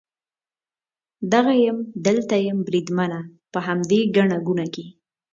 دغه یم، دلته یم بریدمنه، په همدې ګڼه ګوڼه کې.